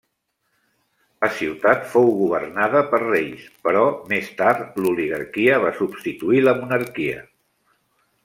La ciutat fou governada per reis, però més tard l'oligarquia va substituir la monarquia.